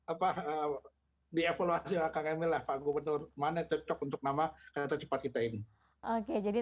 apa di evaluasi akan emelah pak gubernur mana cocok untuk nama kereta cepat kita ini oke jadi